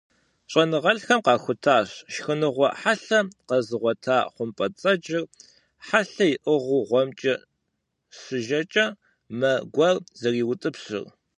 ЩӀэныгъэлӀхэм къахутащ шхыныгъуэ хьэлъэ къэзыгъуэта хъумпӀэцӀэджыр хьэлъэ иӀыгъыу гъуэмкӀэ щыжэкӀэ, мэ гуэр зэриутӀыпщыр.